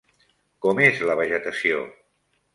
Com és la vegetació?